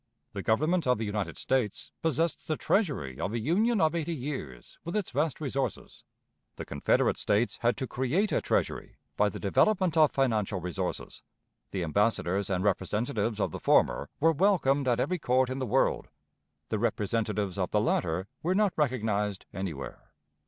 The Government of the United States possessed the Treasury of a Union of eighty years with its vast resources. The Confederate States had to create a Treasury by the development of financial resources. The ambassadors and representatives of the former were welcomed at every court in the world. The representatives of the latter were not recognized anywhere.